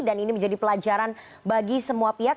dan ini menjadi pelajaran bagi semua pihak